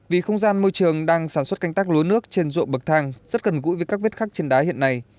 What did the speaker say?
vì không gian môi trường đang sản xuất canh tác lúa nước trên ruộng bậc thang rất gần gũi với các vết khắc trên đá hiện nay